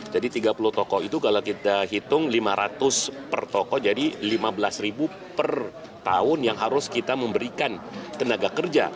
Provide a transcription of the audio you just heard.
jadi tiga puluh topo itu kalau kita hitung lima ratus per topo jadi lima belas ribu per tahun yang harus kita memberikan tenaga kerja